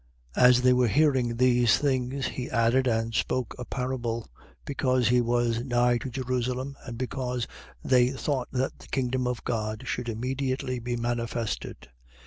19:11. As they were hearing these things, he added and spoke a parable, because he was nigh to Jerusalem and because they thought that the kingdom of God should immediately be manifested.